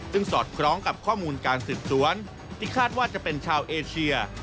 ซึ่งสอดคล้องกับข้อมูลการสืบสวนที่คาดว่าจะเป็นชาวเอเชีย